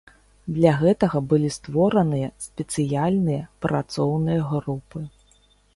Для гэтага былі створаныя спецыяльныя працоўныя групы.